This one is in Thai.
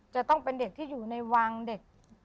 จะต้องเป็นเด็กที่อยู่ในวังเด็ก